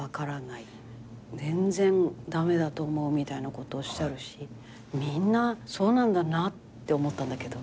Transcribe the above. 全然駄目だと思う」みたいなことおっしゃるしみんなそうなんだなって思ったんだけど。